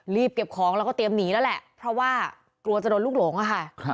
รีบเก็บของแล้วก็เตรียมหนีแล้วแหละเพราะว่ากลัวจะโดนลูกหลงอะค่ะ